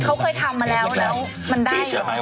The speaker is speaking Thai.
เขาบอกว่าที่คุณพีชทองเจือ่เนี่ย